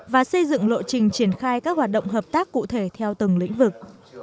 và xây dựng lộ trình triển khai các hoạt động hợp tác cụ thể theo từng lĩnh vực